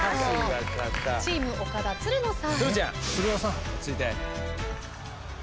チーム岡田つるのさん。